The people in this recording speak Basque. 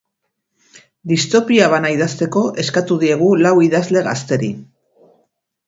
Distopia bana idazteko eskatu diegu lau idazle gazteri.